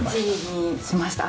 ＩＨにしました。